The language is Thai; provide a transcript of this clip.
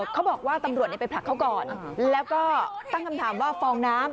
เขาบอกว่าตำรวจไปผลักเขาก่อนแล้วก็ตั้งคำถามว่าฟองน้ำ